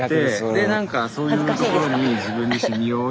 で何かそういうところに自分自身身を置いて。